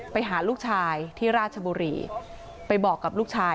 ไปหาลูกชายที่ราชบุรีไปบอกกับลูกชาย